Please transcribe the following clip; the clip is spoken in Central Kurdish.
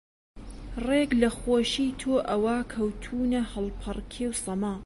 ڕێک لە خۆشی تۆ ئەوا کەوتوونە هەڵپەڕکێ و سەما